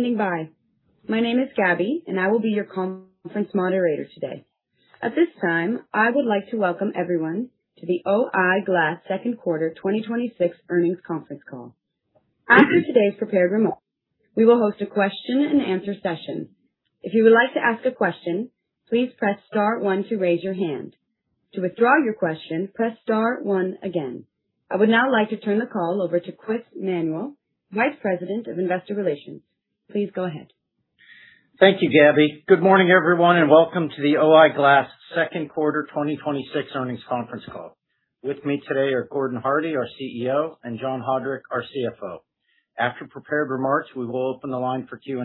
Thank you for standing by. My name is Gabby, and I will be your conference moderator today. At this time, I would like to welcome everyone to the O-I Glass Second Quarter 2026 Earnings Conference Call. After today's prepared remarks, we will host a question and answer session. If you would like to ask a question, please press star one to raise your hand. To withdraw your question, press star one again. I would now like to turn the call over to Chris Manuel, Vice President of Investor Relations. Please go ahead. Thank you, Gabby. Good morning, everyone, and welcome to the O-I Glass Second Quarter 2026 Earnings Conference Call. With me today are Gordon Hardie, our CEO, and John Haudrich, our CFO. After prepared remarks, we will open the line for Q&A.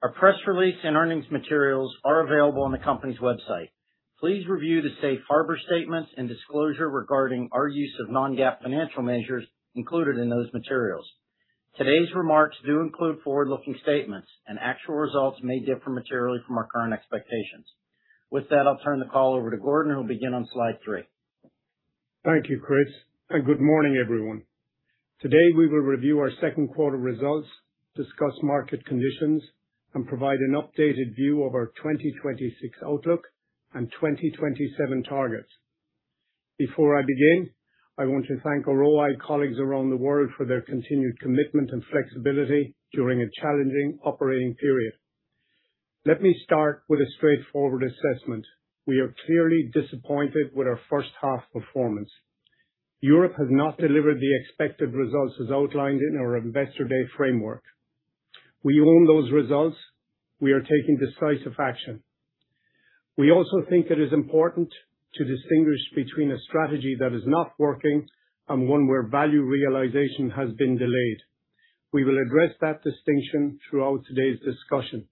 Our press release and earnings materials are available on the company's website. Please review the safe harbor statements and disclosure regarding our use of Non-GAAP financial measures included in those materials. Today's remarks do include forward-looking statements, and actual results may differ materially from our current expectations. With that, I'll turn the call over to Gordon, who'll begin on slide three. Thank you, Chris, and good morning, everyone. Today, we will review our second quarter results, discuss market conditions, and provide an updated view of our 2026 outlook and 2027 targets. Before I begin, I want to thank our O-I colleagues around the world for their continued commitment and flexibility during a challenging operating period. Let me start with a straightforward assessment. We are clearly disappointed with our first half performance. Europe has not delivered the expected results as outlined in our investor day framework. We own those results. We are taking decisive action. We also think it is important to distinguish between a strategy that is not working and one where value realization has been delayed. We will address that distinction throughout today's discussion.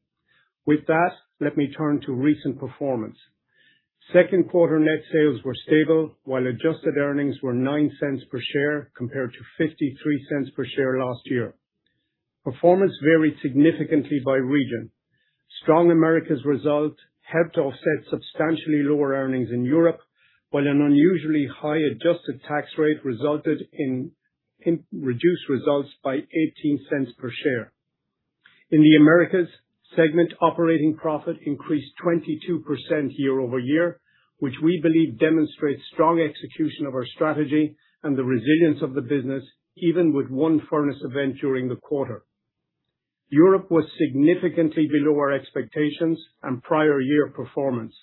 With that, let me turn to recent performance. Second quarter net sales were stable while adjusted earnings were $0.09 per share compared to $0.53 per share last year. Performance varied significantly by region. Strong Americas result helped offset substantially lower earnings in Europe, while an unusually high adjusted tax rate resulted in reduced results by $0.18 per share. In the Americas, segment operating profit increased 22% year-over-year, which we believe demonstrates strong execution of our strategy and the resilience of the business, even with one furnace event during the quarter. Europe was significantly below our expectations and prior year performance.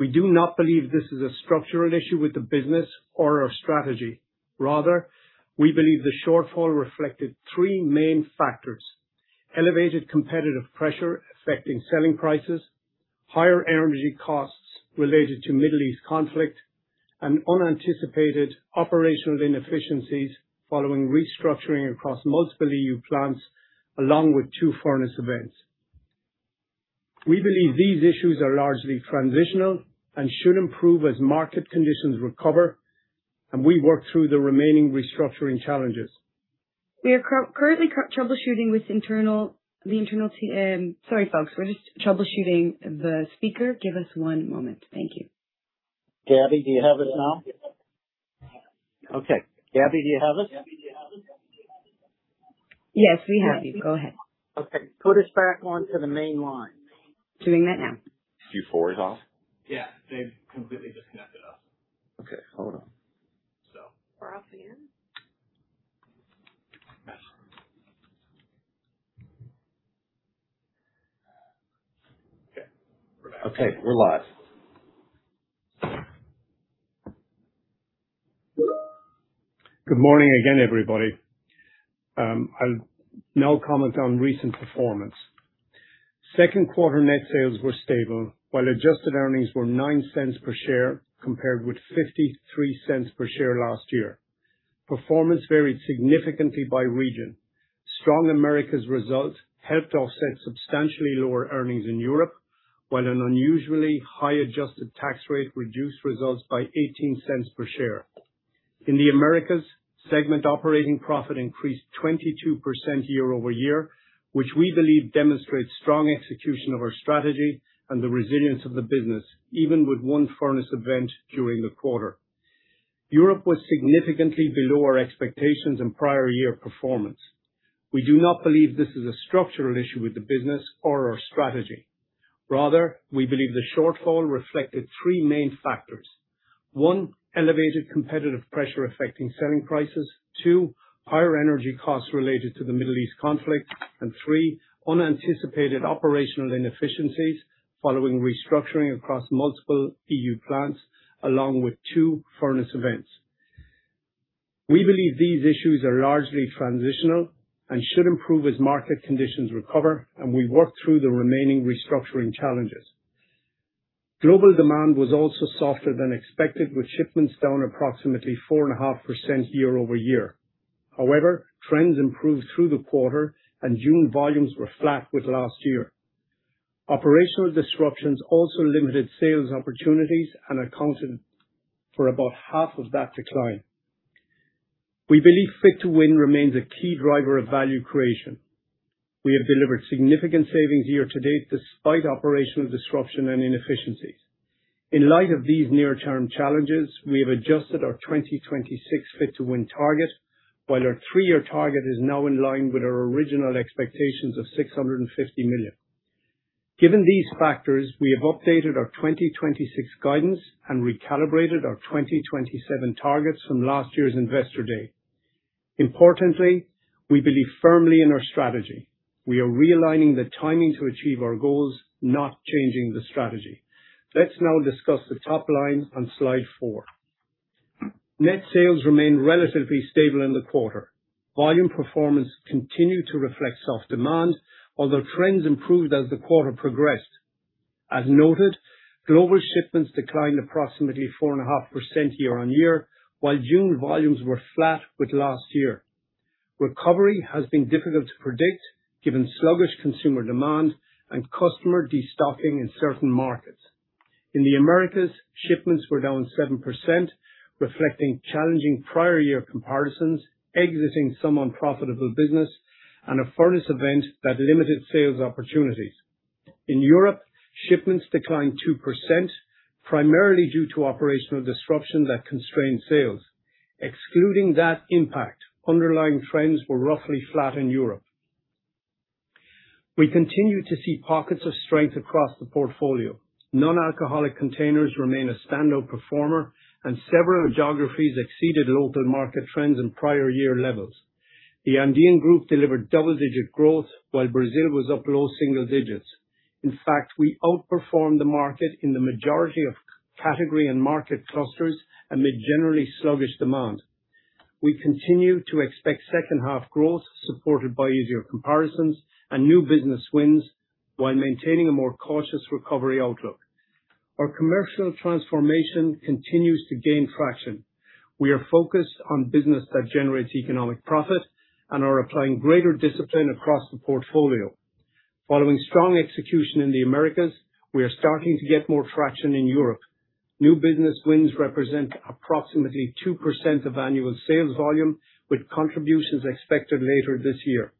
We do not believe this is a structural issue with the business or our strategy. Rather, we believe the shortfall reflected three main factors: elevated competitive pressure affecting selling prices, higher energy costs related to Middle East conflict, and unanticipated operational inefficiencies following restructuring across multiple EU plants along with two furnace events. We believe these issues are largely transitional and should improve as market conditions recover and we work through the remaining restructuring challenges. We are currently troubleshooting with the internal team. Sorry, folks. We're just troubleshooting the speaker. Give us one moment. Thank you. Gabby, do you have us now? Okay. Gabby, do you have us? Yes, we have you. Go ahead. Okay. Put us back onto the main line. Doing that now. Is Q4 off? Yeah. They've completely disconnected us. Okay. Hold on. We're off again. Okay. We're back. Okay, we're live. Good morning again, everybody. I'll now comment on recent performance. Second quarter net sales were stable while adjusted earnings were $0.09 per share compared with $0.53 per share last year. Performance varied significantly by region. Strong Americas results helped offset substantially lower earnings in Europe while an unusually high adjusted tax rate reduced results by $0.18 per share. In the Americas, segment operating profit increased 22% year-over-year, which we believe demonstrates strong execution of our strategy and the resilience of the business, even with one furnace event during the quarter. Europe was significantly below our expectations in prior year performance. We do not believe this is a structural issue with the business or our strategy. Rather, we believe the shortfall reflected three main factors. One, elevated competitive pressure affecting selling prices. Two, higher energy costs related to the Middle East conflict. Three, unanticipated operational inefficiencies following restructuring across multiple EU plants along with two furnace events. We believe these issues are largely transitional and should improve as market conditions recover and we work through the remaining restructuring challenges. Global demand was also softer than expected with shipments down approximately 4.5% year-over-year. However, trends improved through the quarter and June volumes were flat with last year. Operational disruptions also limited sales opportunities and accounted for about half of that decline. We believe Fit to Win remains a key driver of value creation. We have delivered significant savings year to date despite operational disruption and inefficiencies. In light of these near-term challenges, we have adjusted our 2026 Fit to Win target, while our three-year target is now in line with our original expectations of $650 million. Given these factors, we have updated our 2026 guidance and recalibrated our 2027 targets from last year's Investor Day. Importantly, we believe firmly in our strategy. We are realigning the timing to achieve our goals, not changing the strategy. Let's now discuss the top line on slide four. Net sales remained relatively stable in the quarter. Volume performance continued to reflect soft demand, although trends improved as the quarter progressed. As noted, global shipments declined approximately 4.5% year-on-year, while June volumes were flat with last year. Recovery has been difficult to predict, given sluggish consumer demand and customer destocking in certain markets. In the Americas, shipments were down 7%, reflecting challenging prior year comparisons, exiting some unprofitable business, and a furnace event that limited sales opportunities. In Europe, shipments declined 2%, primarily due to operational disruption that constrained sales. Excluding that impact, underlying trends were roughly flat in Europe. We continue to see pockets of strength across the portfolio. Nonalcoholic containers remain a standout performer, and several geographies exceeded local market trends in prior year levels. The Andean group delivered double-digit growth, while Brazil was up low single digits. In fact, we outperformed the market in the majority of category and market clusters amid generally sluggish demand. We continue to expect second half growth supported by easier comparisons and new business wins while maintaining a more cautious recovery outlook. Our commercial transformation continues to gain traction. We are focused on business that generates economic profit and are applying greater discipline across the portfolio. Following strong execution in the Americas, we are starting to get more traction in Europe. New business wins represent approximately 2% of annual sales volume, with contributions expected later this year.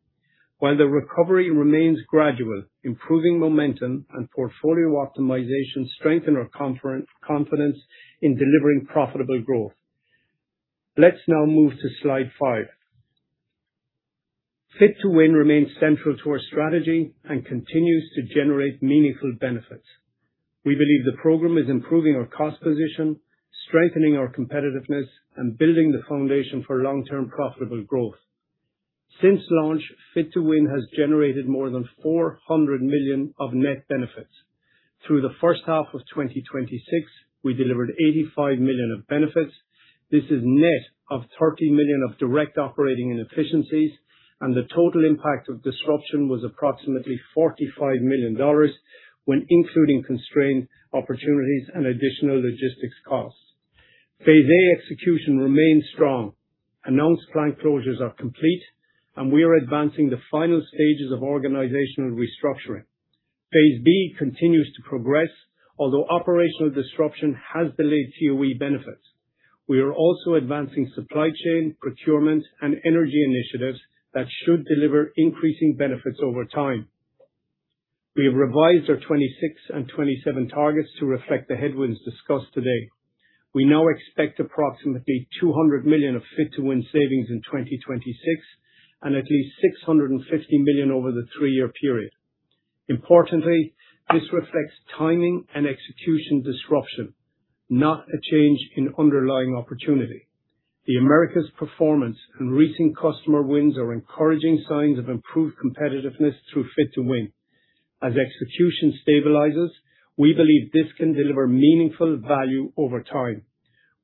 While the recovery remains gradual, improving momentum and portfolio optimization strengthen our confidence in delivering profitable growth. Let's now move to slide five. Fit to Win remains central to our strategy and continues to generate meaningful benefits. We believe the program is improving our cost position, strengthening our competitiveness, and building the foundation for long-term profitable growth. Since launch, Fit to Win has generated more than $400 million of net benefits. Through the first half of 2026, we delivered $85 million of benefits. This is net of $30 million of direct operating inefficiencies, and the total impact of disruption was approximately $45 million when including constrained opportunities and additional logistics costs. Phase A execution remains strong. Announced plant closures are complete, and we are advancing the final stages of organizational restructuring. Phase B continues to progress, although operational disruption has delayed COE benefits. We are also advancing supply chain, procurement, and energy initiatives that should deliver increasing benefits over time. We have revised our 2026 and 2027 targets to reflect the headwinds discussed today. We now expect approximately $200 million of Fit to Win savings in 2026 and at least $650 million over the three-year period. Importantly, this reflects timing and execution disruption, not a change in underlying opportunity. The Americas' performance and recent customer wins are encouraging signs of improved competitiveness through Fit to Win. As execution stabilizes, we believe this can deliver meaningful value over time.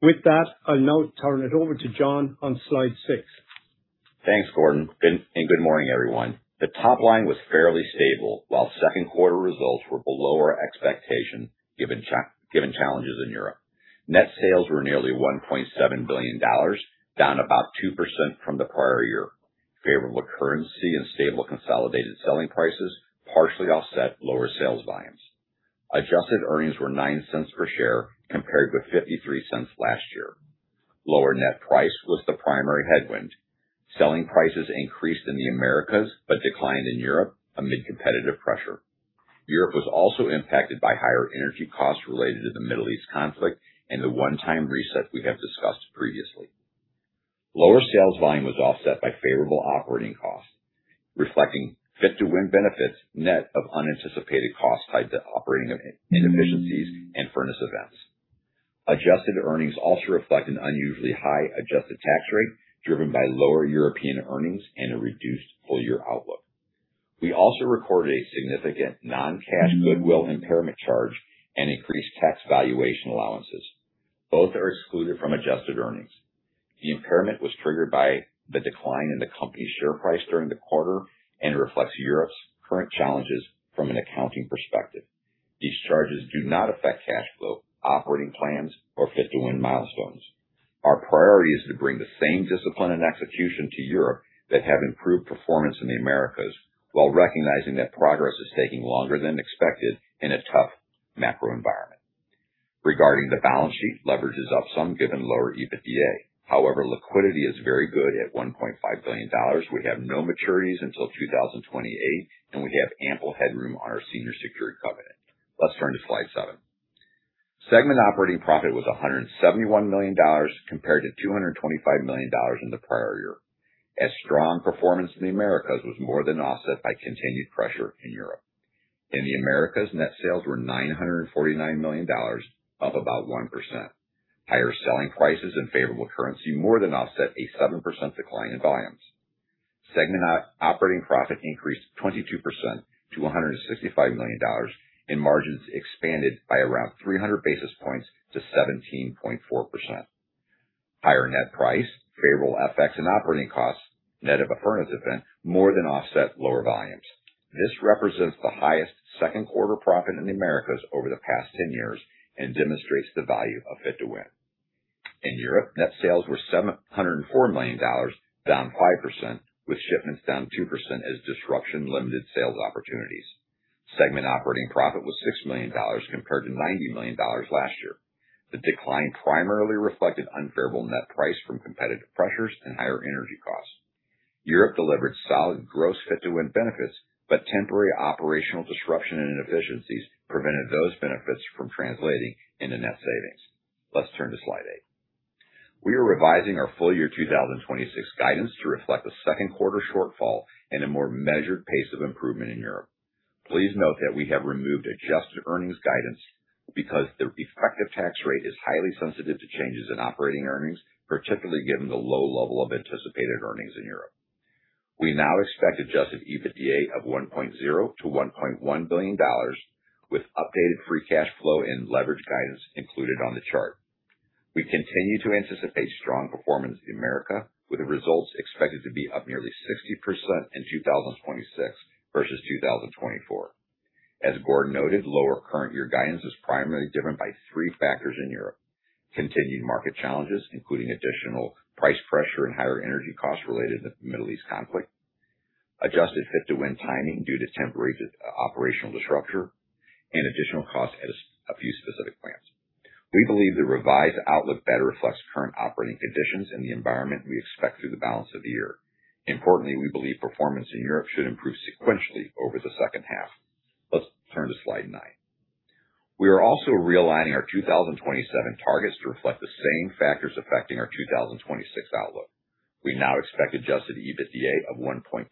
With that, I'll now turn it over to John on slide six. Thanks, Gordon, good morning, everyone. The top line was fairly stable, while second quarter results were below our expectation, given challenges in Europe. Net sales were nearly $1.7 billion, down about 2% from the prior year. Favorable currency and stable consolidated selling prices partially offset lower sales volumes. Adjusted earnings were $0.09 per share compared with $0.53 last year. Lower net price was the primary headwind. Selling prices increased in the Americas, declined in Europe amid competitive pressure. Europe was also impacted by higher energy costs related to the Middle East conflict and the one-time reset we have discussed previously. Lower sales volume was offset by favorable operating costs, reflecting Fit to Win benefits net of unanticipated costs tied to operating inefficiencies and furnace events. Adjusted earnings also reflect an unusually high adjusted tax rate driven by lower European earnings and a reduced full-year outlook. We also recorded a significant non-cash goodwill impairment charge and increased tax valuation allowances. Both are excluded from adjusted earnings. The impairment was triggered by the decline in the company's share price during the quarter and reflects Europe's current challenges from an accounting perspective. These charges do not affect cash flow, operating plans, or Fit to Win milestones. Our priority is to bring the same discipline and execution to Europe that have improved performance in the Americas while recognizing that progress is taking longer than expected in a tough macro environment. Regarding the balance sheet, leverage is up some given lower EBITDA. Liquidity is very good at $1.5 billion. We have no maturities until 2028, we have ample headroom on our senior secured covenant. Let's turn to slide seven. Segment operating profit was $171 million compared to $225 million in the prior year. Strong performance in the Americas was more than offset by continued pressure in Europe. In the Americas, net sales were $949 million, up about 1%. Higher selling prices and favorable currency more than offset a 7% decline in volumes. Segment operating profit increased 22% to $165 million, and margins expanded by around 300 basis points to 17.4%. Higher net price, favorable FX and operating costs, net of a furnace event, more than offset lower volumes. This represents the highest second quarter profit in the Americas over the past ten years and demonstrates the value of Fit to Win. In Europe, net sales were $704 million, down 5%, with shipments down 2% as disruption limited sales opportunities. Segment operating profit was $6 million compared to $90 million last year. The decline primarily reflected unfavorable net price from competitive pressures and higher energy costs. Europe delivered solid gross Fit to Win benefits. Temporary operational disruption and inefficiencies prevented those benefits from translating into net savings. Let's turn to slide eight. We are revising our full year 2026 guidance to reflect a second quarter shortfall and a more measured pace of improvement in Europe. Please note that we have removed adjusted earnings guidance because the effective tax rate is highly sensitive to changes in operating earnings, particularly given the low level of anticipated earnings in Europe. We now expect adjusted EBITDA of $1.0 billion to $1.1 billion, with updated free cash flow and leverage guidance included on the chart. We continue to anticipate strong performance in America, with the results expected to be up nearly 60% in 2026 versus 2024. Gordon noted, lower current year guidance is primarily driven by three factors in Europe: continued market challenges, including additional price pressure and higher energy costs related to the Middle East conflict, adjusted Fit to Win timing due to temporary operational disruption, and additional cost at a few specific plants. We believe the revised outlook better reflects current operating conditions and the environment we expect through the balance of the year. Importantly, we believe performance in Europe should improve sequentially over the second half. Let's turn to slide nine. We are also realigning our 2027 targets to reflect the same factors affecting our 2026 outlook. We now expect adjusted EBITDA of $1.2 billion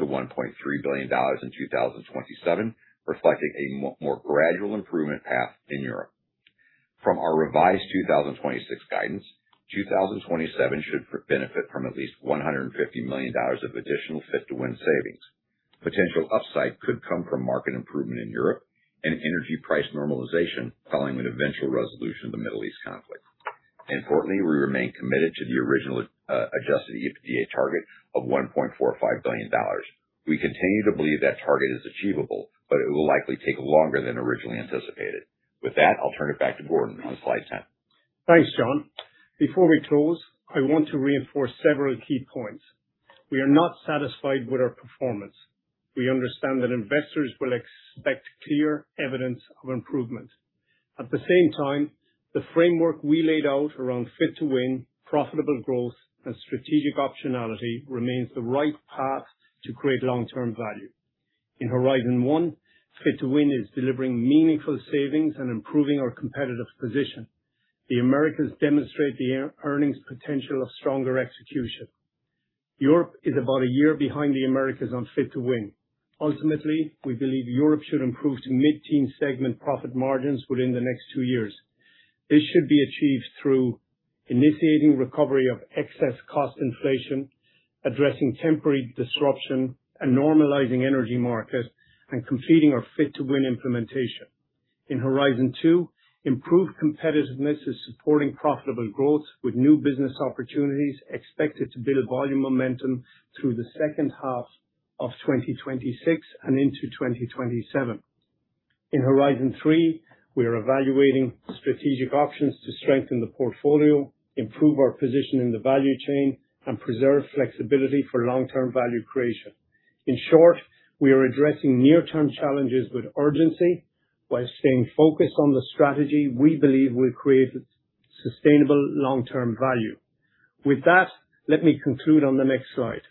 to $1.3 billion in 2027, reflecting a more gradual improvement path in Europe. From our revised 2026 guidance, 2027 should benefit from at least $150 million of additional Fit to Win savings. Potential upside could come from market improvement in Europe and energy price normalization following an eventual resolution of the Middle East conflict. Importantly, we remain committed to the original adjusted EBITDA target of $1.45 billion. We continue to believe that target is achievable. It will likely take longer than originally anticipated. With that, I'll turn it back to Gordon on slide 10. Thanks, John. Before we close, I want to reinforce several key points. We are not satisfied with our performance. We understand that investors will expect clear evidence of improvement. At the same time, the framework we laid out around Fit to Win, profitable growth and strategic optionality remains the right path to create long-term value. In Horizon One, Fit to Win is delivering meaningful savings and improving our competitive position. The Americas demonstrate the earnings potential of stronger execution. Europe is about a year behind the Americas on Fit to Win. Ultimately, we believe Europe should improve to mid-teen segment profit margins within the next two years. This should be achieved through initiating recovery of excess cost inflation, addressing temporary disruption and normalizing energy markets, and completing our Fit to Win implementation. In Horizon Two, improved competitiveness is supporting profitable growth, with new business opportunities expected to build volume momentum through the second half of 2026 and into 2027. In Horizon Three, we are evaluating strategic options to strengthen the portfolio, improve our position in the value chain, and preserve flexibility for long-term value creation. In short, we are addressing near-term challenges with urgency while staying focused on the strategy we believe will create sustainable long-term value. With that, let me conclude on the next slide.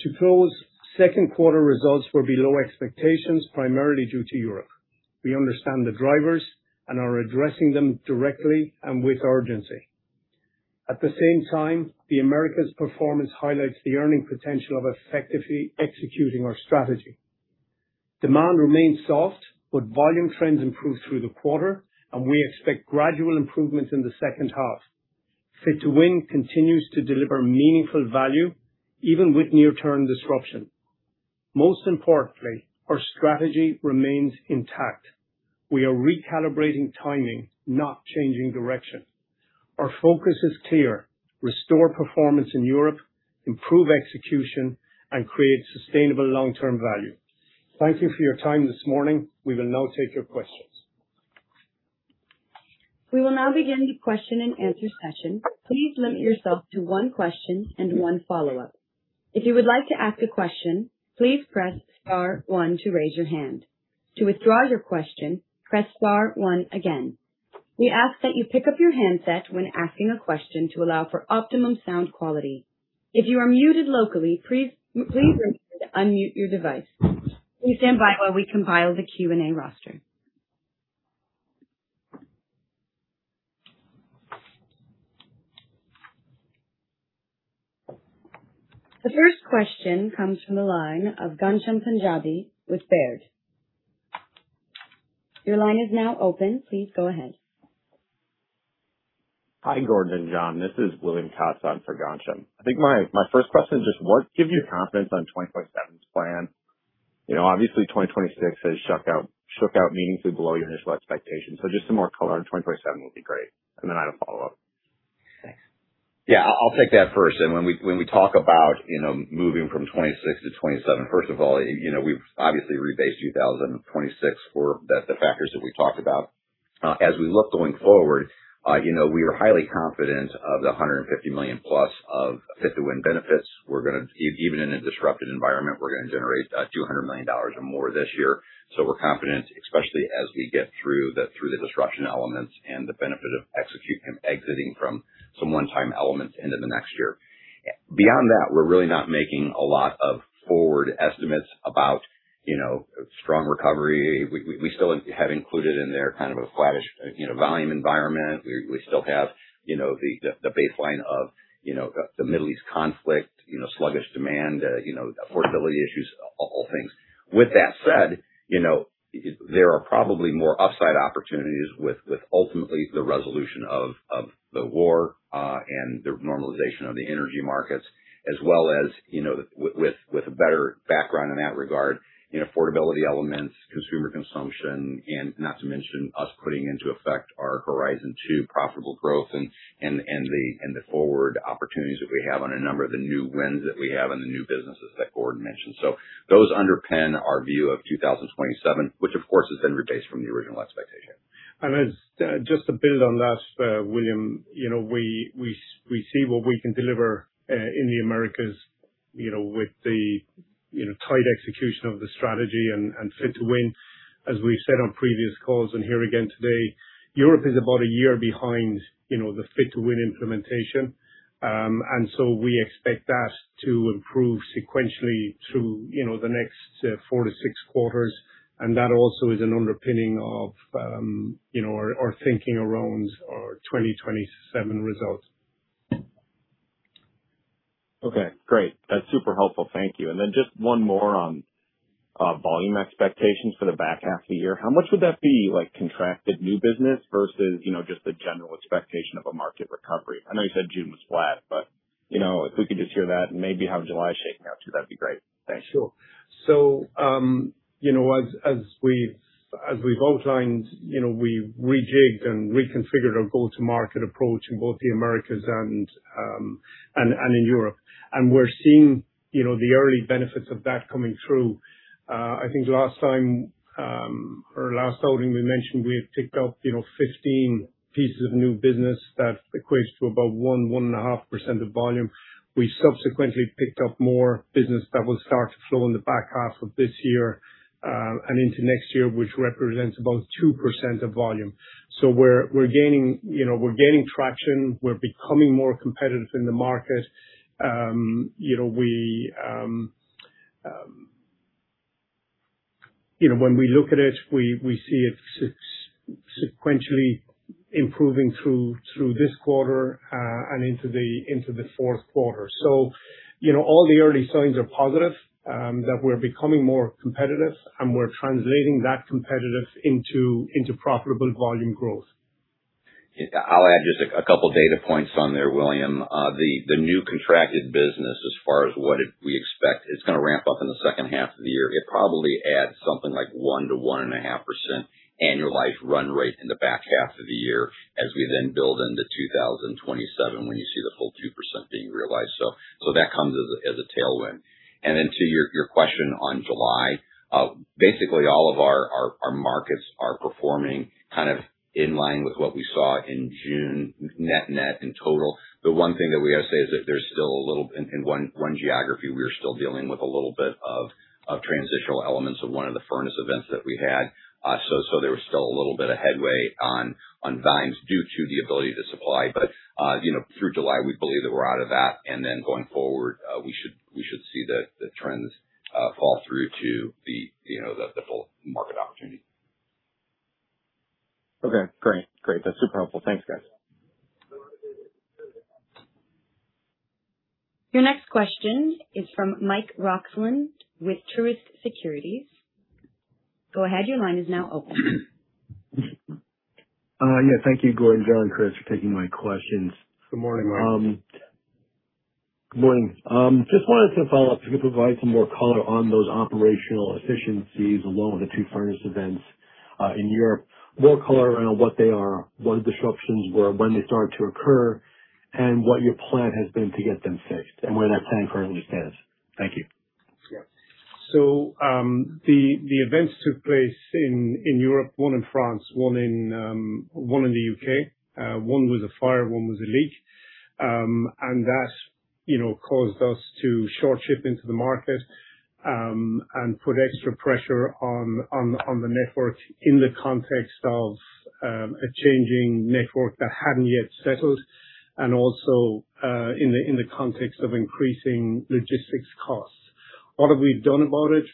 To close, second quarter results were below expectations, primarily due to Europe. We understand the drivers and are addressing them directly and with urgency. At the same time, the Americas performance highlights the earning potential of effectively executing our strategy. Demand remains soft, but volume trends improved through the quarter, and we expect gradual improvements in the second half. Fit to Win continues to deliver meaningful value even with near-term disruption. Most importantly, our strategy remains intact. We are recalibrating timing, not changing direction. Our focus is clear. Restore performance in Europe, improve execution, and create sustainable long-term value. Thank you for your time this morning. We will now take your questions. We will now begin the question and answer session. Please limit yourself to one question and one follow-up. If you would like to ask a question, please press star one to raise your hand. To withdraw your question, press star one again. We ask that you pick up your handset when asking a question to allow for optimum sound quality. If you are muted locally, please remember to unmute your device. Please stand by while we compile the Q&A roster. The first question comes from the line of Ghansham Panjabi with Baird. Your line is now open. Please go ahead. Hi, Gordon and John. This is William Kaatz for Ghansham. I think my first question is just what gives you confidence on 2027's plan? Obviously, 2026 has shook out meaningfully below your initial expectations. Just some more color on 2027 would be great. I have a follow-up. Thanks. Yeah. I'll take that first. When we talk about moving from 2026 to 2027, first of all, we've obviously rebased 2026 for the factors that we talked about. As we look going forward, we are highly confident of the $150 million-plus of Fit to Win benefits. Even in a disrupted environment, we're going to generate $200 million or more this year. We're confident, especially as we get through the disruption elements and the benefit of exiting from some one-time elements into the next year. Beyond that, we're really not making a lot of forward estimates about strong recovery. We still have included in there a flattish volume environment. We still have the baseline of the Middle East conflict, sluggish demand, affordability issues, all things. With that said, there are probably more upside opportunities with ultimately the resolution of the war, and the normalization of the energy markets, as well as with a better background in that regard, affordability elements, consumer consumption, and not to mention us putting into effect our Horizon Two profitable growth and the forward opportunities that we have on a number of the new wins that we have and the new businesses that Gordon mentioned. Those underpin our view of 2027, which of course has been rebased from the original expectation. Just to build on that, William, we see what we can deliver, in the Americas with the tight execution of the strategy and Fit to Win, as we've said on previous calls and here again today. Europe is about a year behind the Fit to Win implementation. We expect that to improve sequentially through the next four to six quarters. That also is an underpinning of our thinking around our 2027 results. Okay, great. That's super helpful. Thank you. Just one more on volume expectations for the back half of the year. How much would that be contracted new business versus just the general expectation of a market recovery? I know you said June was flat, but if we could just hear that and maybe how July is shaping up, too, that'd be great. Thanks. Sure. As we've outlined, we rejigged and reconfigured our go-to-market approach in both the Americas and in Europe. We're seeing the early benefits of that coming through. I think last time, or last outing, we mentioned we have picked up 15 pieces of new business that equates to about 1%-1.5% of volume. We've subsequently picked up more business that will start to flow in the back half of this year, and into next year, which represents about 2% of volume. We're gaining traction. We're becoming more competitive in the market. When we look at it, we see it sequentially improving through this quarter and into the fourth quarter. All the early signs are positive, that we're becoming more competitive and we're translating that competitive into profitable volume growth. I'll add just a couple data points on there, William. The new contracted business as far as what we expect, it's going to ramp up in the second half of the year. It probably adds something like 1% to 1.5% annual life run rate in the back half of the year as we then build into 2027 when you see the full 2% being realized. That comes as a tailwind. To your question on July, basically all of our markets are performing in line with what we saw in June net net in total. The one thing that we have to say is that in one geography, we are still dealing with a little bit of transitional elements of one of the furnace events that we had. There was still a little bit of headway on volumes due to the ability to supply. Through July, we believe that we're out of that, going forward, we should see the trends fall through to the full market opportunity. Okay, great. That's super helpful. Thanks, guys. Your next question is from Mike Roxland with Truist Securities. Go ahead, your line is now open. Yeah. Thank you, Gordon, John, Chris, for taking my questions. Good morning, Mike. Good morning. Just wanted some follow-up. If you could provide some more color on those operational efficiencies along with the two furnace events, in Europe. More color around what they are, what the disruptions were, when they started to occur, and what your plan has been to get them fixed and where that plan currently stands. Thank you. Yeah. The events took place in Europe, one in France, one in the U.K. One was a fire, one was a leak. That caused us to short ship into the market and put extra pressure on the network in the context of a changing network that hadn't yet settled, and also in the context of increasing logistics costs. What have we done about it?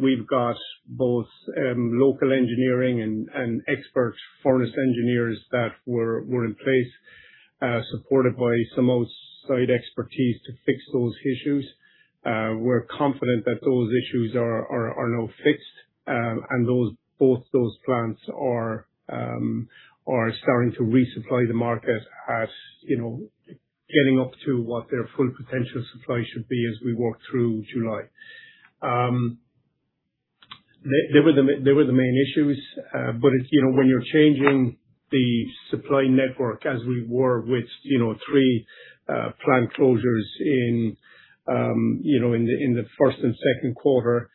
We've got both local engineering and expert furnace engineers that were in place, supported by some outside expertise to fix those issues. We're confident that those issues are now fixed, and both those plants are starting to resupply the market at getting up to what their full potential supply should be as we walk through July. They were the main issues. When you're changing the supply network as we were with three plant closures in the first and second quarter,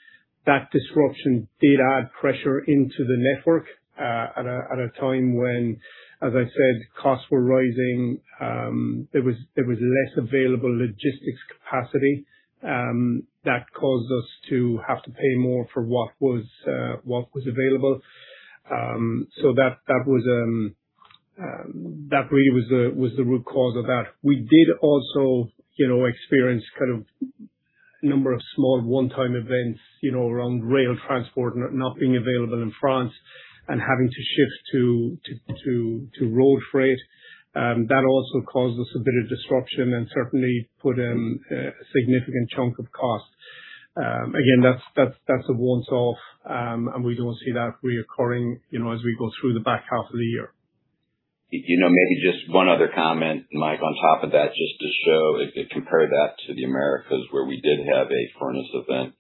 that disruption did add pressure into the network at a time when, as I said, costs were rising. There was less available logistics capacity that caused us to have to pay more for what was available. That really was the root cause of that. We did also experience kind of a number of small one-time events around rail transport not being available in France and having to shift to road freight. That also caused us a bit of disruption and certainly put in a significant chunk of cost. Again, that's a once off, and we don't see that reoccurring as we go through the back half of the year. Maybe just one other comment, Mike, on top of that, just to show, if you compare that to the Americas where we did have a furnace event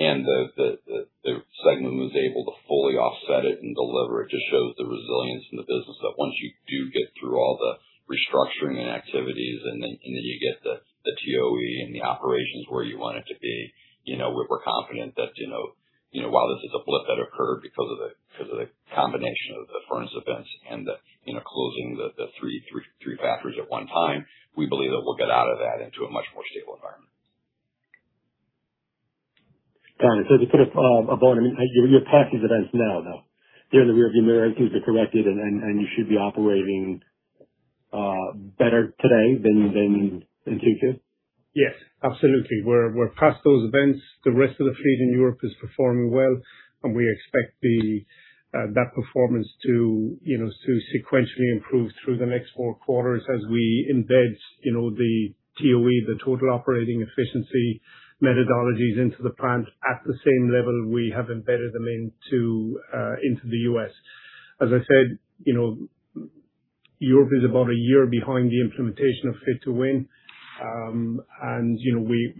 and the segment was able to fully offset it and deliver, it just shows the resilience in the business that once you do get through all the restructuring and activities. You get the TOE and the operations where you want it to be, we're confident that while this is a blip that occurred because of the combination of the furnace events and the closing the three factories at one time, we believe that we'll get out of that into a much more stable environment. Got it. To put a bow on it, you're past these events now, though? They're in the rear-view mirror and things are corrected, and you should be operating better today than two years ago? Yes, absolutely. We're past those events. The rest of the fleet in Europe is performing well, and we expect that performance to sequentially improve through the next four quarters as we embed the TOE, the total operating efficiency methodologies into the plant at the same level we have embedded them into the U.S. As I said, Europe is about a year behind the implementation of Fit to Win.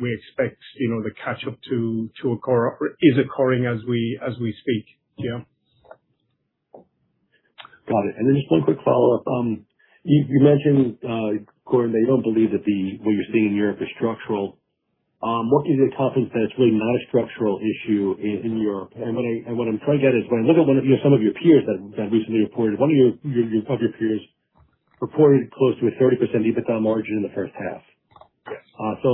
We expect the catch-up is occurring as we speak. Yeah. Got it. Then just one quick follow-up. You mentioned, Gordon, that you don't believe that what you're seeing in Europe is structural. What gives you confidence that it's really not a structural issue in Europe? What I'm trying to get is when I look at some of your peers that recently reported, one of your peers reported close to a 30% EBITDA margin in the first half. Yes.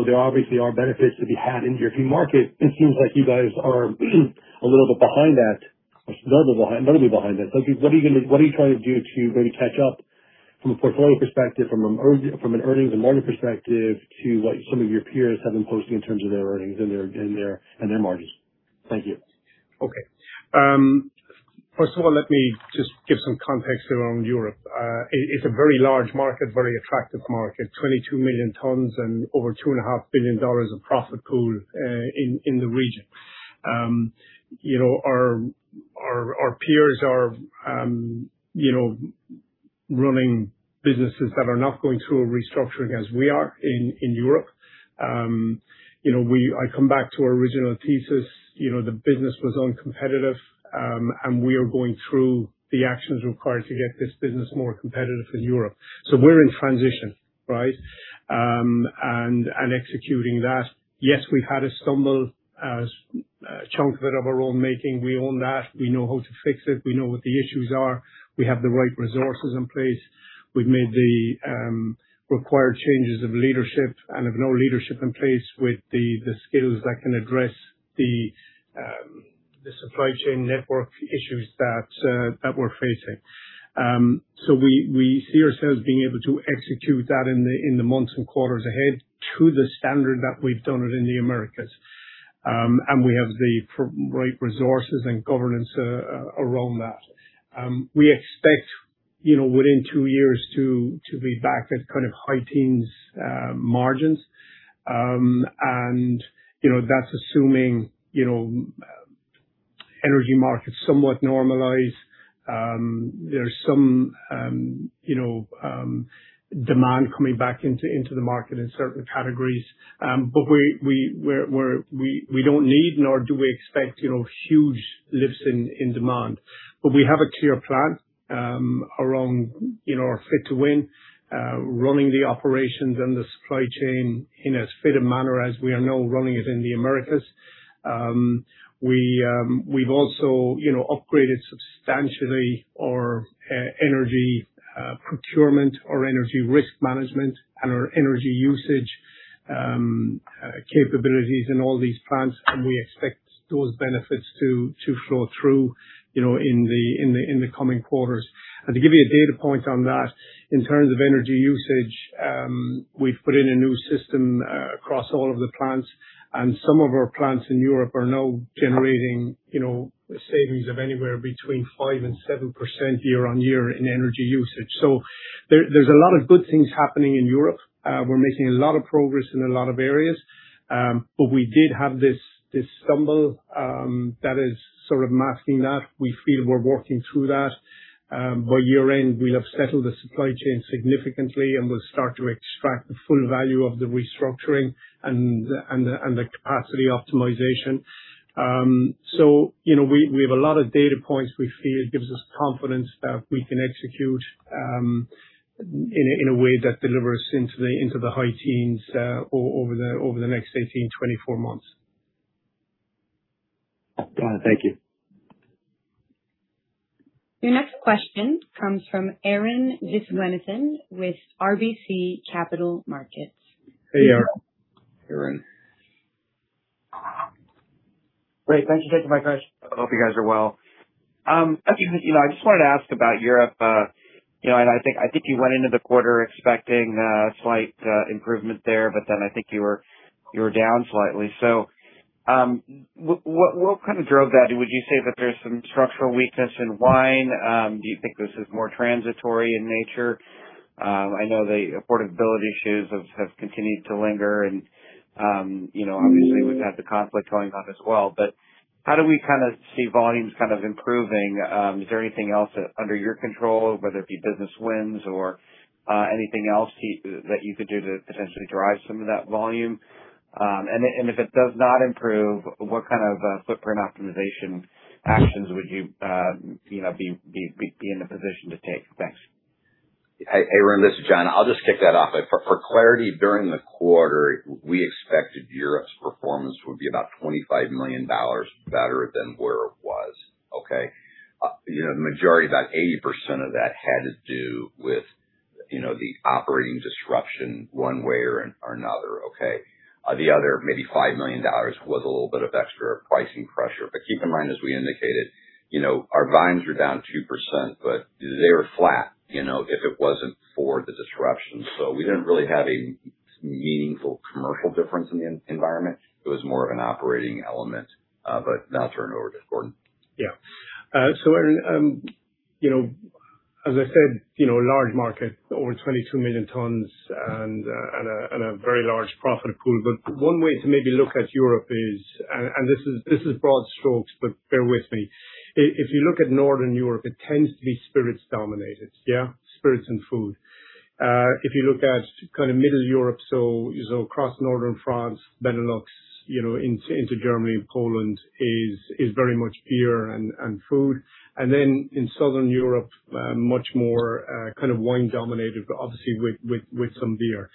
There obviously are benefits to be had in your key market. It seems like you guys are a little bit behind that, notably behind that. What are you trying to do to maybe catch up from a portfolio perspective, from an earnings and margin perspective to what some of your peers have been posting in terms of their earnings and their margins? Thank you. First of all, let me just give some context around Europe. It's a very large market, very attractive market, 22 million tons and over $2.5 billion of profit pool in the region. Our peers are running businesses that are not going through a restructuring as we are in Europe. I come back to our original thesis. The business was uncompetitive, we are going through the actions required to get this business more competitive in Europe. We're in transition, right? Executing that. Yes, we've had a stumble as a chunk of it of our own making. We own that. We know how to fix it. We know what the issues are. We have the right resources in place. We've made the required changes of leadership and have now leadership in place with the skills that can address the supply chain network issues that we're facing. We see ourselves being able to execute that in the months and quarters ahead to the standard that we've done it in the Americas. We have the right resources and governance around that. We expect within two years to be back at kind of high teens margins. That's assuming energy markets somewhat normalize. There's some demand coming back into the market in certain categories. We don't need nor do we expect huge lifts in demand. We have a clear plan around our Fit to Win, running the operations and the supply chain in as fit a manner as we are now running it in the Americas. We've also upgraded substantially our energy procurement, our energy risk management, and our energy usage capabilities in all these plants, and we expect those benefits to flow through in the coming quarters. To give you a data point on that, in terms of energy usage, we've put in a new system across all of the plants, and some of our plants in Europe are now generating savings of anywhere between 5%-7% year-over-year in energy usage. There's a lot of good things happening in Europe. We're making a lot of progress in a lot of areas. We did have this stumble that is sort of masking that. We feel we're working through that. By year-end, we'll have settled the supply chain significantly, and we'll start to extract the full value of the restructuring and the capacity optimization. We have a lot of data points we feel gives us confidence that we can execute in a way that delivers into the high teens over the next 18-24 months. Bryan, thank you. Your next question comes from Arun Viswanathan with RBC Capital Markets. Hey, Arun. Arun. Great. Thanks for taking my question. I hope you guys are well. Okay. I just wanted to ask about Europe. I think you went into the quarter expecting a slight improvement there, but then I think you were down slightly. What kind of drove that? Would you say that there's some structural weakness in wine? Do you think this is more transitory in nature? I know the affordability issues have continued to linger and, obviously with that, the conflict going on as well. How do we see volumes kind of improving? Is there anything else under your control, whether it be business wins or anything else that you could do to potentially drive some of that volume? If it does not improve, what kind of footprint optimization actions would you be in a position to take? Thanks. Hey, Arun, this is John. I'll just kick that off. For clarity, during the quarter, we expected Europe's performance would be about $25 million better than where it was. Okay? The majority, about 80% of that, had to do with the operating disruption one way or another. Okay? The other, maybe $5 million, was a little bit of extra pricing pressure. Keep in mind, as we indicated, our volumes are down 2%, but they were flat if it wasn't for the disruption. We didn't really have a meaningful commercial difference in the environment. It was more of an operating element. I'll turn it over to Gordon. Yeah. Arun, as I said, a large market, over 22 million tons and a very large profit pool. One way to maybe look at Europe is, and this is broad strokes, but bear with me. If you look at Northern Europe, it tends to be spirits dominated. Yeah? Spirits and food. If you look at kind of Middle Europe, so across northern France, Benelux, into Germany and Poland, is very much beer and food. In Southern Europe, much more kind of wine dominated, but obviously with some beer.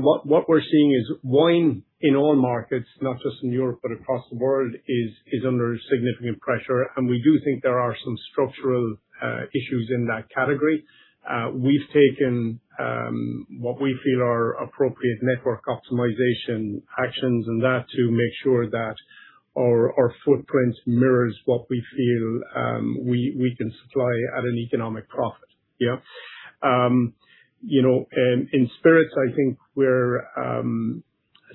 What we're seeing is wine in all markets, not just in Europe but across the world, is under significant pressure, and we do think there are some structural issues in that category. We've taken what we feel are appropriate network optimization actions to make sure that our footprint mirrors what we feel we can supply at an economic profit. Yeah? In spirits, I think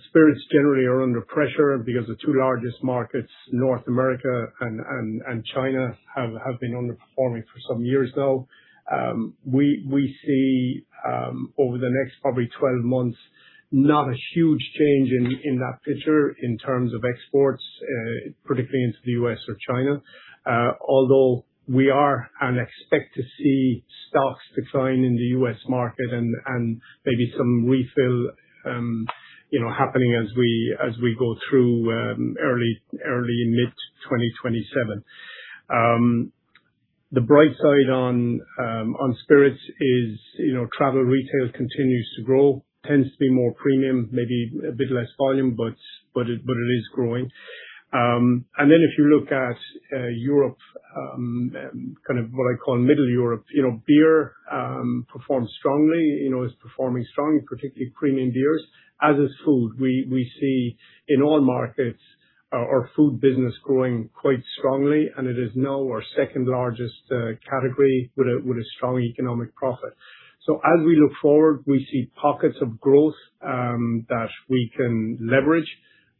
spirits generally are under pressure because the two largest markets, North America and China, have been underperforming for some years now. We see, over the next probably 12 months, not a huge change in that picture in terms of exports, particularly into the U.S. or China. Although we are and expect to see stocks decline in the U.S. market and maybe some refill happening as we go through early mid 2027. The bright side on spirits is travel retail continues to grow. Tends to be more premium, maybe a bit less volume, but it is growing. Then if you look at Europe, kind of what I call Middle Europe, beer performs strongly. Is performing strongly, particularly premium beers, as is food. We see in all markets our food business growing quite strongly, and it is now our second largest category with a strong economic profit. As we look forward, we see pockets of growth that we can leverage.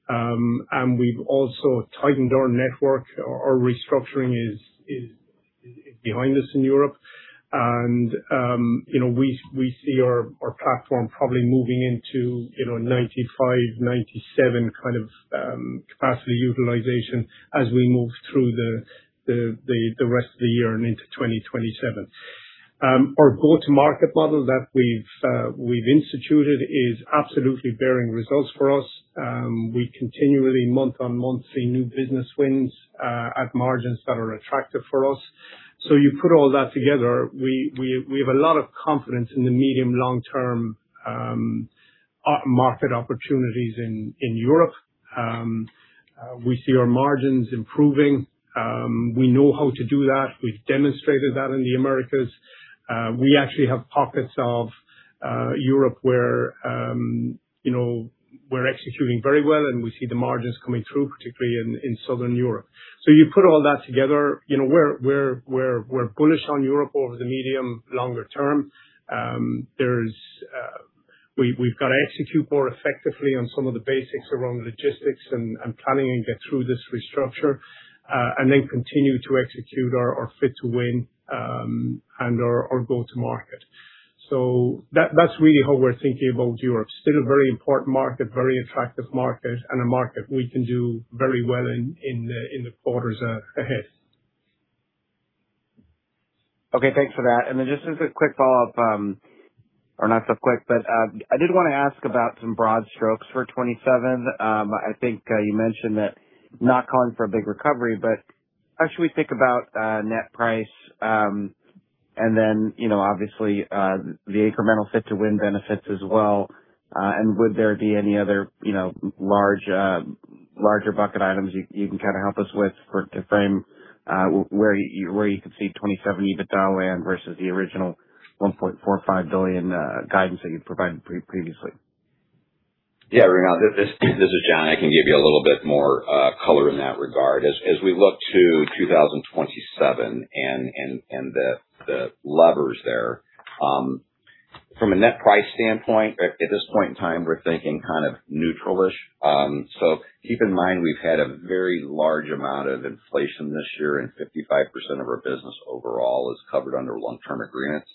We've also tightened our network. Our restructuring is behind us in Europe. We see our platform probably moving into 95, 97 kind of capacity utilization as we move through the rest of the year and into 2027. Our go-to-market model that we've instituted is absolutely bearing results for us. We continually month-on-month see new business wins at margins that are attractive for us. You put all that together, we have a lot of confidence in the medium-long-term market opportunities in Europe. We see our margins improving. We know how to do that. We've demonstrated that in the Americas. We actually have pockets of Europe where we're executing very well, and we see the margins coming through, particularly in Southern Europe. You put all that together, we're bullish on Europe over the medium-longer term. We've got to execute more effectively on some of the basics around logistics and planning and get through this restructure, then continue to execute our Fit to Win, and our go-to-market. That's really how we're thinking about Europe. Still a very important market, very attractive market, and a market we can do very well in the quarters ahead. Okay, thanks for that. Just as a quick follow-up, or not so quick, but I did want to ask about some broad strokes for 2027. I think you mentioned that not calling for a big recovery, but how should we think about net price, obviously, the incremental Fit to Win benefits as well, would there be any other larger bucket items you can kind of help us with to frame where you could see 2027 EBITDA land versus the original $1.45 billion guidance that you'd provided previously? Yeah, Arun, this is John. I can give you a little bit more color in that regard. As we look to 2027 and the levers there. From a net price standpoint, at this point in time, we're thinking kind of neutral-ish. Keep in mind, we've had a very large amount of inflation this year, and 55% of our business overall is covered under long-term agreements.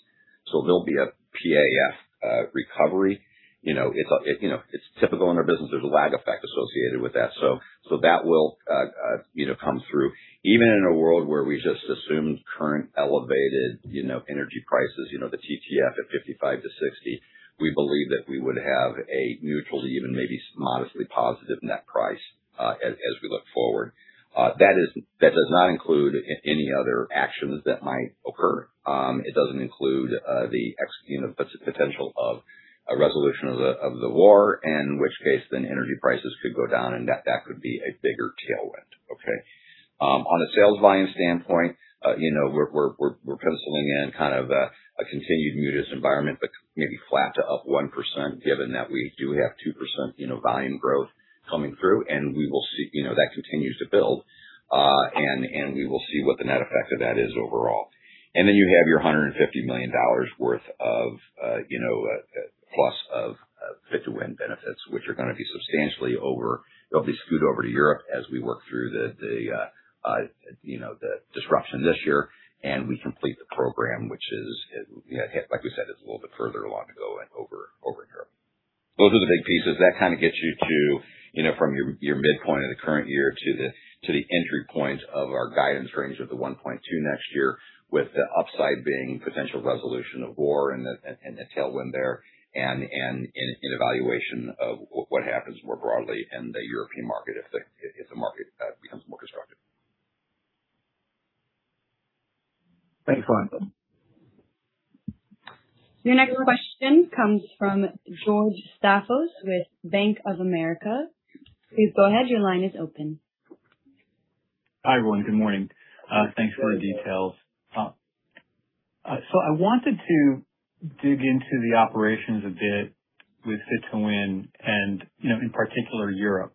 There'll be a PAF recovery. It's typical in our business. There's a lag effect associated with that will come through. Even in a world where we just assumed current elevated energy prices, the TTF at 55 to 60, we believe that we would have a neutral to even maybe modestly positive net price as we look forward. That does not include any other actions that might occur. It doesn't include the potential of a resolution of the war, in which case energy prices could go down and that could be a bigger tailwind. Okay? On a sales volume standpoint, we're penciling in kind of a continued muted environment, but maybe flat to up 1%, given that we do have 2% volume growth coming through, and that continues to build. We will see what the net effect of that is overall. You have your $150 million worth of plus of Fit to Win benefits, which are going to be substantially, they'll be skewed over to Europe as we work through the disruption this year, and we complete the program, which is, like we said, is a little bit further along to go and over Europe. Those are the big pieces that kind of get you to from your midpoint of the current year to the entry point of our guidance range of the $1.2 next year, with the upside being potential resolution of war and a tailwind there and an evaluation of what happens more broadly in the European market if the market becomes more constructive. Thanks, John. Your next question comes from George Staphos with Bank of America. Please go ahead. Your line is open. Hi, everyone. Good morning. Thanks for the details. I wanted to dig into the operations a bit with Fit to Win and in particular Europe.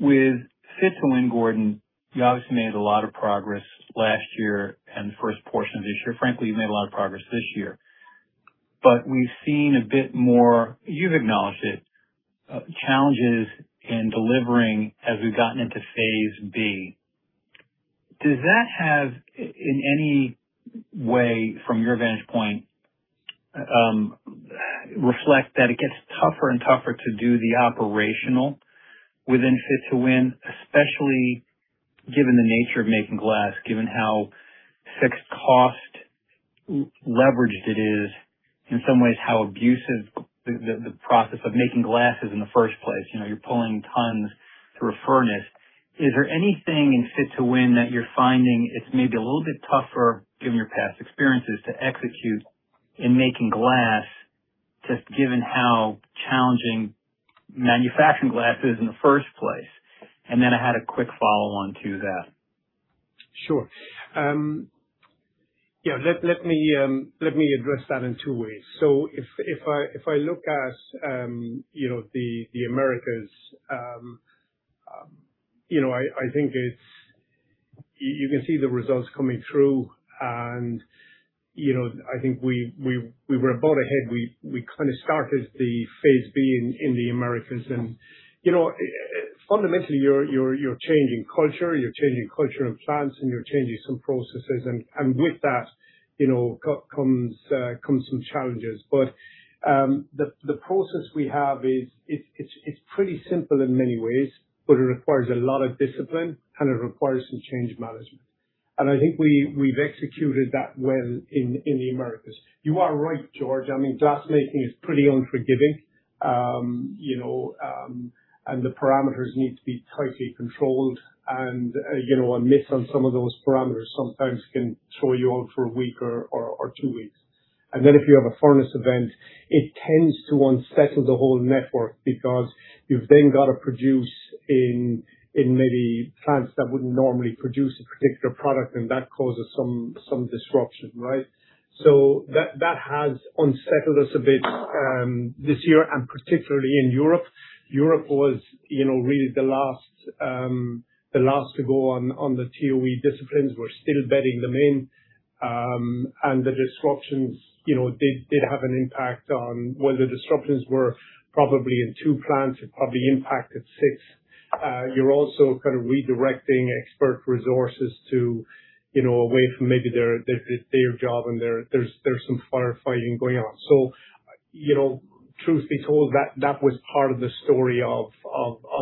With Fit to Win, Gordon, you obviously made a lot of progress last year and the first portion of this year. Frankly, you've made a lot of progress this year. We've seen a bit more, you've acknowledged it, challenges in delivering as we've gotten into Phase B. Does that have, in any way from your vantage point, reflect that it gets tougher and tougher to do the operational within Fit to Win, especially given the nature of making glass, given how fixed cost leveraged it is, in some ways how abusive the process of making glass is in the first place. You're pulling tons through a furnace. Is there anything in Fit to Win that you're finding it's maybe a little bit tougher, given your past experiences, to execute in making glass, just given how challenging manufacturing glass is in the first place? I had a quick follow-on to that. Sure. Yeah, let me address that in two ways. If I look at the Americas, I think you can see the results coming through, and I think we were about ahead. We kind of started the Phase B in the Americas. Fundamentally, you're changing culture, you're changing culture in plants, and you're changing some processes. With that comes some challenges. The process we have is pretty simple in many ways, but it requires a lot of discipline, and it requires some change management. I think we've executed that well in the Americas. You are right, George. I mean, glass making is pretty unforgiving, and the parameters need to be tightly controlled. A miss on some of those parameters sometimes can throw you out for a week or two weeks. If you have a furnace event, it tends to unsettle the whole network because you've then got to produce in maybe plants that wouldn't normally produce a particular product. That causes some disruption, right? That has unsettled us a bit this year, particularly in Europe. Europe was really the last to go on the TOE disciplines. We're still bedding them in. The disruptions did have an impact on when the disruptions were probably in two plants. It probably impacted six. You're also kind of redirecting expert resources away from maybe their job and there's some firefighting going on. Truth be told, that was part of the story of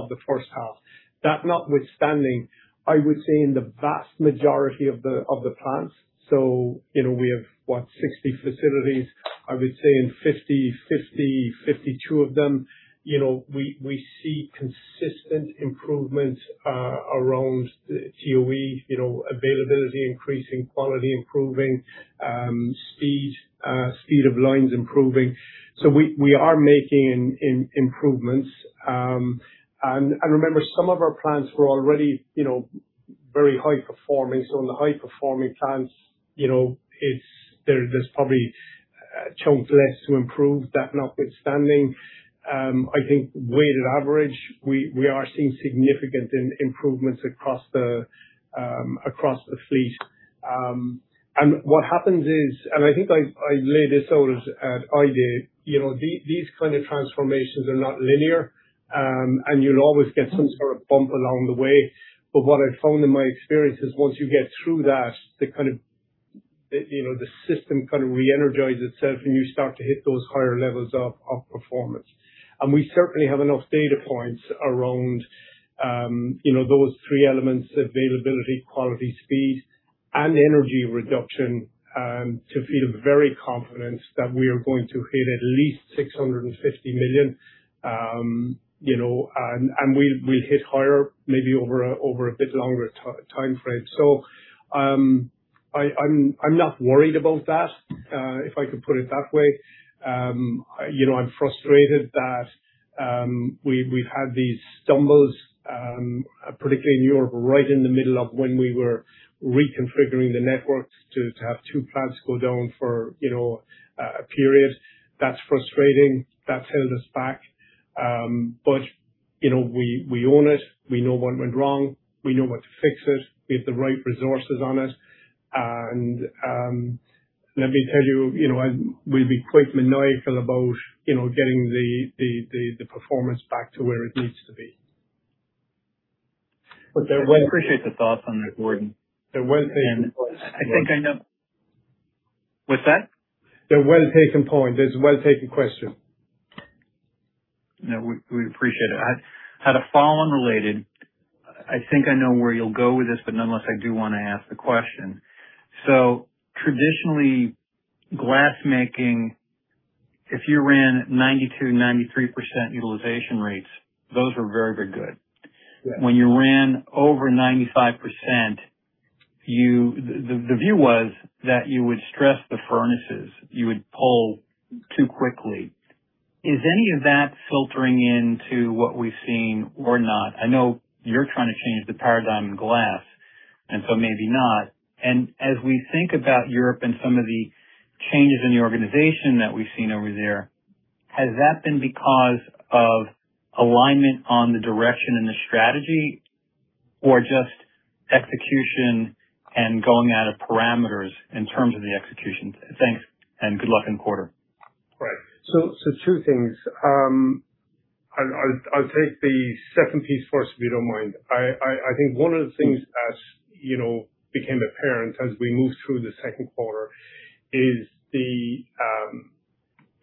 the first half. That notwithstanding, I would say in the vast majority of the plants, we have, what, 60 facilities. I would say in 50, 52 of them we see consistent improvements around the TOE, availability increasing, quality improving, speed of lines improving. We are making improvements. Remember, some of our plants were already very high performing. On the high performing plants, there's probably chunks less to improve. That notwithstanding, I think weighted average, we are seeing significant improvements across the fleet. What happens is, and I think I laid this out at IDE, these kind of transformations are not linear. You'll always get some sort of bump along the way. What I found in my experience is once you get through that, the system kind of reenergizes itself and you start to hit those higher levels of performance. We certainly have enough data points around those three elements, availability, quality, speed, and energy reduction, to feel very confident that we are going to hit at least $650 million. We'll hit higher maybe over a bit longer timeframe. I'm not worried about that, if I could put it that way. I'm frustrated that we've had these stumbles, particularly in Europe, right in the middle of when we were reconfiguring the networks to have two plants go down for a period. That's frustrating. That's held us back. We own it. We know what went wrong. We know what to fix it. We have the right resources on it. Let me tell you, we'll be quite maniacal about getting the performance back to where it needs to be. Well, I appreciate the thoughts on that, Gordon. They're well taken points. I think I know-- What's that? They're well taken point. It's a well-taken question. No, we appreciate it. I had a follow-on related. I think I know where you'll go with this, but nonetheless, I do want to ask the question. Traditionally, glass making, if you ran 92%, 93% utilization rates, those were very good. Yeah. When you ran over 95%, the view was that you would stress the furnaces. You would pull too quickly. Is any of that filtering into what we've seen or not? I know you're trying to change the paradigm in glass, maybe not. As we think about Europe and some of the changes in the organization that we've seen over there, has that been because of alignment on the direction and the strategy, or just execution and going out of parameters in terms of the execution? Thanks, and good luck in the quarter. Right. Two things. I'll take the second piece first, if you don't mind. I think one of the things that became apparent as we moved through the second quarter is the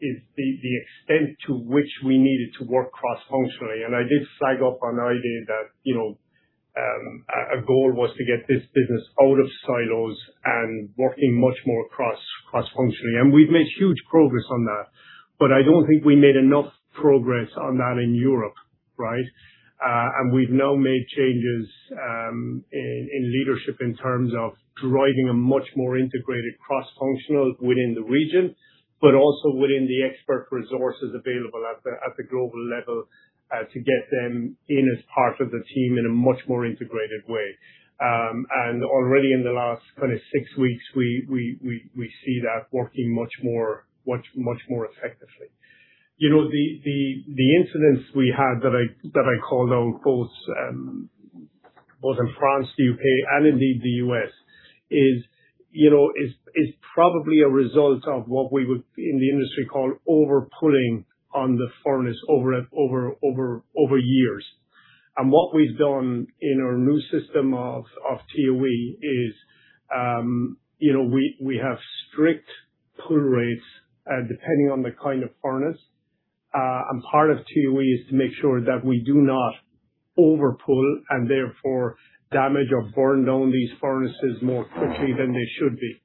extent to which we needed to work cross-functionally. I did flag up on IDE that a goal was to get this business out of silos and working much more cross-functionally. We've made huge progress on that. I don't think we made enough progress on that in Europe, right? We've now made changes in leadership in terms of driving a much more integrated cross-functional within the region, but also within the expert resources available at the global level to get them in as part of the team in a much more integrated way. Already in the last kind of six weeks, we see that working much more effectively. The incidents we had that I called out both in France, the U.K., and indeed the U.S., is probably a result of what we would in the industry call over pulling on the furnace over years. What we've done in our new system of TOE is we have strict pull rates, depending on the kind of furnace. Part of TOE is to make sure that we do not over pull and therefore damage or burn down these furnaces more quickly than they should be.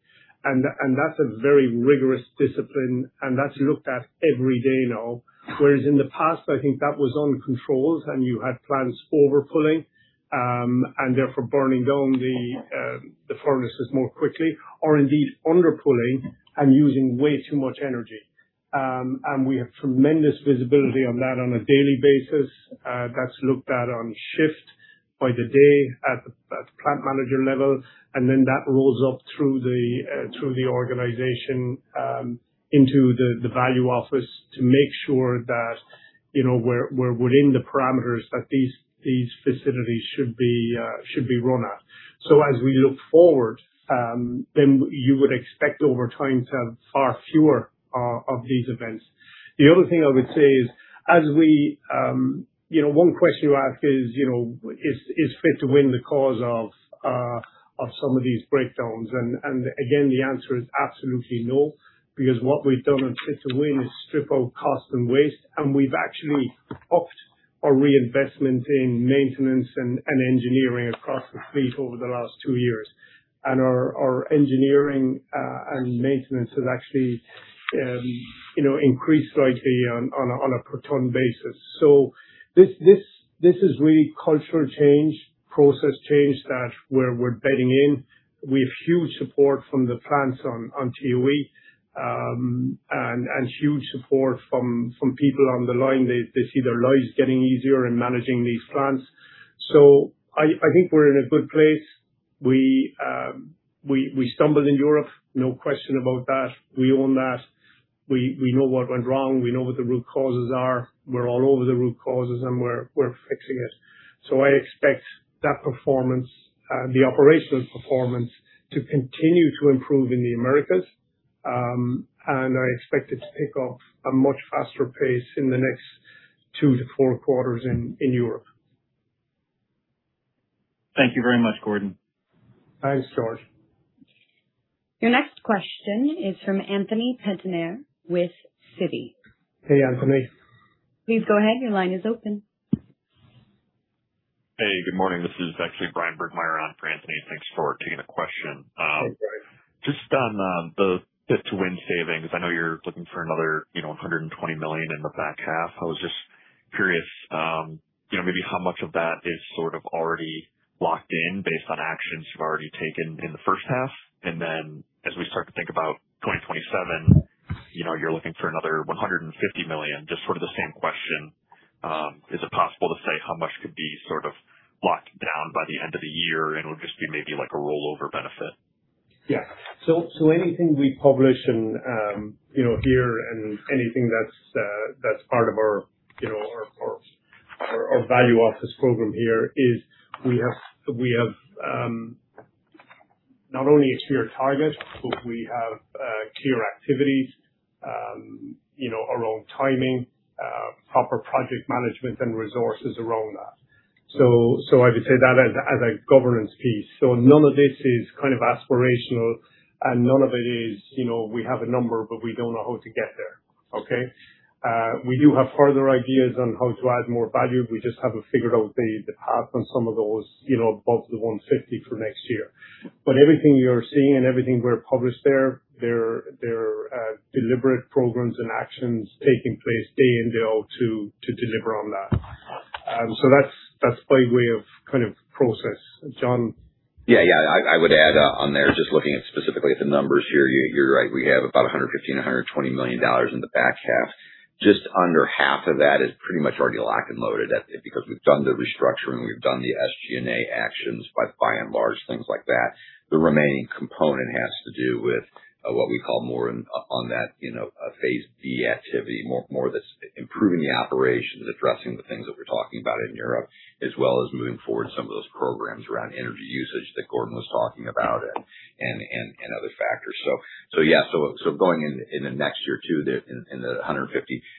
That's a very rigorous discipline, and that's looked at every day now. Whereas in the past, I think that was on controls and you had plants over pulling, and therefore burning down the furnaces more quickly, or indeed under pulling and using way too much energy. We have tremendous visibility on that on a daily basis. That's looked at on shift by the day at the plant manager level, then that rolls up through the organization into the value office to make sure that we're within the parameters that these facilities should be run at. As we look forward, you would expect over time to have far fewer of these events. The other thing I would say is, one question you ask is Fit to Win the cause of some of these breakdowns? Again, the answer is absolutely no, because what we've done in Fit to Win is strip out cost and waste, and we've actually upped our reinvestment in maintenance and engineering across the fleet over the last two years. Our engineering and maintenance has actually increased slightly on a per ton basis. This is really cultural change, process change that we're bedding in. We have huge support from the plants on TOE, and huge support from people on the line. They see their lives getting easier in managing these plants. I think we're in a good place. We stumbled in Europe, no question about that. We own that. We know what went wrong. We know what the root causes are. We're all over the root causes, and we're fixing it. I expect that performance, the operational performance, to continue to improve in the Americas. I expect it to pick up a much faster pace in the next two to four quarters in Europe. Thank you very much, Gordon. Thanks, George. Your next question is from Anthony Pettinari with Citi. Hey, Anthony. Please go ahead. Your line is open. Hey, good morning. This is actually Bryan Bergmeier on for Anthony. Thanks for taking the question. Hey, Bryan. Just on the Fit to Win savings, I know you're looking for another $120 million in the back half. I was just curious, maybe how much of that is sort of already locked in based on actions you've already taken in the first half? As we start to think about 2027, you're looking for another $150 million. Just sort of the same question. Is it possible to say how much could be sort of locked down by the end of the year and would just be maybe like a rollover benefit? Yeah. Anything we publish in here and anything that's part of our value office program here is we have not only a clear target, but we have clear activities around timing, proper project management, and resources around that. I would say that as a governance piece. None of this is kind of aspirational, and none of it is we have a number, but we don't know how to get there. Okay? We do have further ideas on how to add more value. We just haven't figured out the path on some of those above the $150 for next year. But everything you're seeing and everything we've published there, they're deliberate programs and actions taking place day in, day out to deliver on that. That's by way of kind of process. John? Yeah. I would add on there, just looking at specifically at the numbers here, you're right. We have about $115-120 million in the back half. Just under half of that is pretty much already locked and loaded because we've done the restructuring, we've done the SG&A actions by and large, things like that. The remaining component has to do with what we call more on that Phase D activity, more of this improving the operations, addressing the things that we're talking about in Europe, as well as moving forward some of those programs around energy usage that Gordon was talking about and other factors. Yeah. Going in the next year, too, in the $150,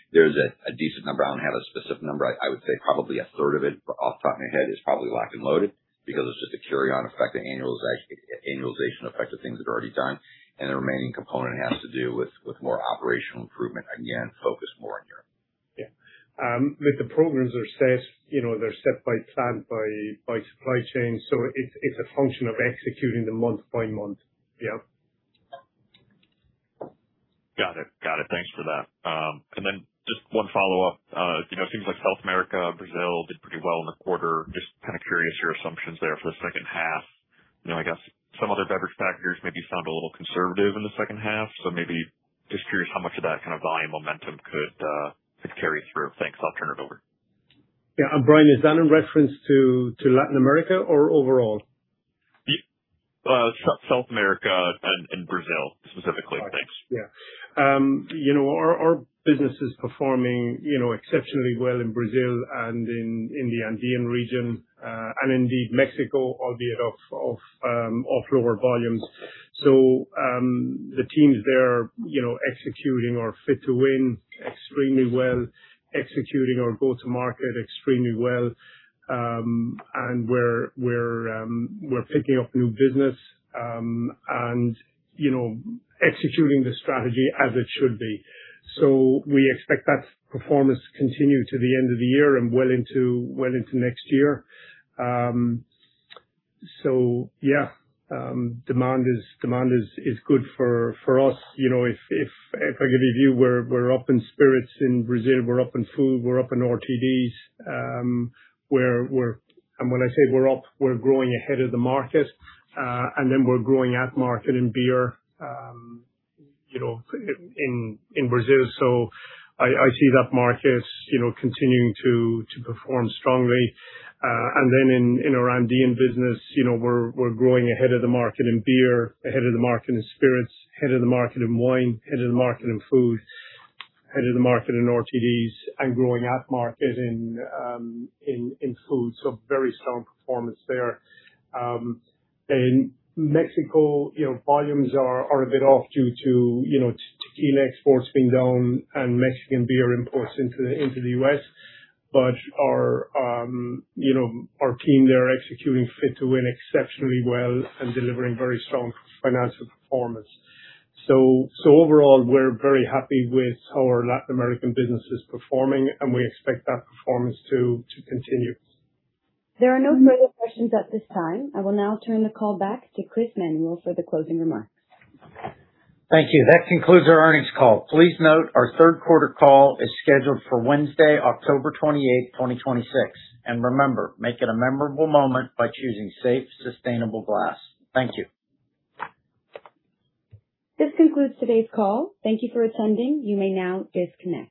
there's a decent number. I don't have a specific number. I would say probably a third of it, off the top of my head, is probably locked and loaded because it is just a carry on effect, the annualization effect of things that are already done, and the remaining component has to do with more operational improvement, again, focused more on Europe. Yeah. With the programs, they are set by plant, by supply chain. So it is a function of executing them month by month. Yeah. Got it. Thanks for that. Then just one follow-up. It seems like South America, Brazil did pretty well in the quarter. Just kind of curious your assumptions there for the second half. I guess some other beverage factors maybe sound a little conservative in the second half, so maybe just curious how much of that kind of volume momentum could carry through. Thanks. I will turn it over. Yeah. Bryan, is that in reference to Latin America or overall? South America and Brazil specifically. Thanks. Yeah. Our business is performing exceptionally well in Brazil and in the Andean region, and indeed Mexico, albeit off lower volumes. The teams there are executing our Fit to Win extremely well, executing our go-to-market extremely well. We're picking up new business, and executing the strategy as it should be. We expect that performance to continue to the end of the year and well into next year. Yeah, demand is good for us. If I give you, we're up in spirits in Brazil, we're up in food, we're up in RTDs. When I say we're up, we're growing ahead of the market, and then we're growing at market in beer in Brazil. I see that market continuing to perform strongly. In our Andean business, we're growing ahead of the market in beer, ahead of the market in spirits, ahead of the market in wine, ahead of the market in food, ahead of the market in RTDs, and growing at market in food. Very strong performance there. In Mexico, volumes are a bit off due to tequila exports being down and Mexican beer imports into the U.S. Our team, they're executing Fit to Win exceptionally well and delivering very strong financial performance. Overall, we're very happy with how our Latin American business is performing, and we expect that performance to continue. There are no further questions at this time. I will now turn the call back to Chris Manuel for the closing remarks. Thank you. That concludes our earnings call. Please note our third quarter call is scheduled for Wednesday, October 28, 2026. Remember, make it a memorable moment by choosing safe, sustainable glass. Thank you. This concludes today's call. Thank you for attending. You may now disconnect.